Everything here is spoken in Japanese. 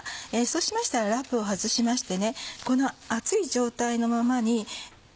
そうしましたらラップをはずしましてこの熱い状態のままに。